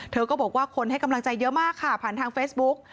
เธอก็บอกว่าคนให้กำลังใจเยอะมากค่ะผ่านทางเฟซบุ๊ก